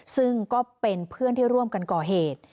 ซึ่งก็เป็นเพื่อนที่ร่วมกันก่อเหตุ